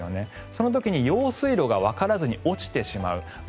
その時に用水路がわからずに落ちてしまう。